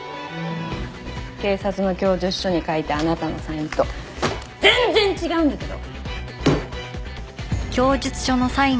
警察の供述書に書いたあなたのサインと全然違うんだけど！